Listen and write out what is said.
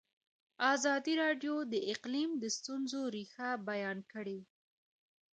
ازادي راډیو د اقلیم د ستونزو رېښه بیان کړې.